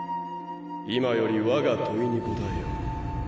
・今より我が問いに答えよ。